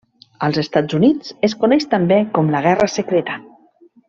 Als Estats Units es coneix també com la Guerra Secreta.